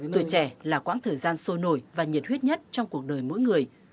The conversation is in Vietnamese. tuổi trẻ là quãng thời gian sôi nổi và nhiệt huyết nhất trong cuộc đời mỗi người